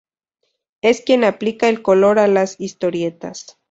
Es quien aplica el color a las historietas.